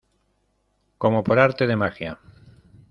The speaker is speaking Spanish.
como por arte de magia.